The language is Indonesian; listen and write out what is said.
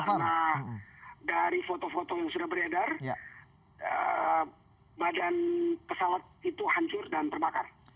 karena dari foto foto yang sudah beredar badan pesawat itu hancur dan terbakar